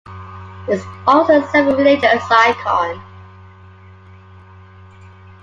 It is also a semi-religious icon.